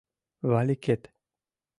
Валикет».